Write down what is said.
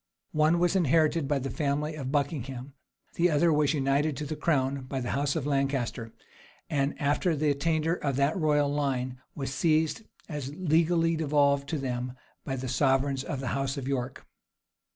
One was inherited by the family of Buckingham; the other was united to the crown by the house of Lancaster, and, after the attainder of that royal line, was seized, as legally devolved to them, by the sovereigns of the house of York.